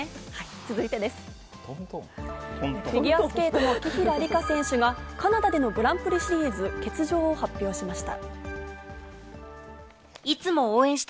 続いてですねフィギュアスケートの紀平梨花選手がカナダでのグランプリシリーズ欠場を発表しました。